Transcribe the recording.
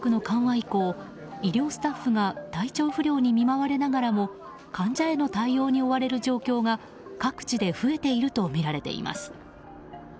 以降医療スタッフが体調不良に見舞われながらも患者への対応に追われる状況が各地で増えているとみられています。